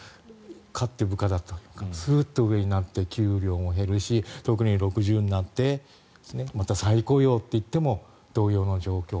かつて部下だった人がすっと上になって給料も減るし特に６０歳になって再雇用といっても同様の状況